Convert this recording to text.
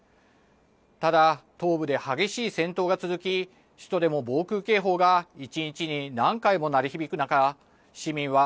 ただ、東部で激しい戦闘が続き首都でも防空警報が１日に何回も鳴り響く中、市民は